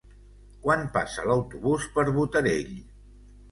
Quan passa l'autobús per Botarell?